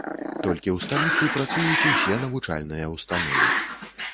Толькі ў сталіцы працуюць усе навучальныя ўстановы.